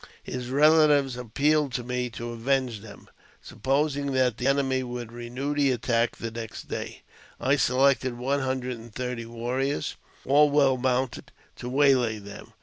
His relatives appealed to me to avenge them. Supposing that the enemy would renew the attack the next day, I selected one hundred and thirty warriors, all well mounted, to waylay them.